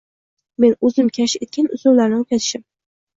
Men o‘zim kashf etgan usullarni o‘rgatishim